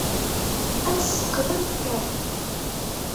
Ad tesfeqdemt kan.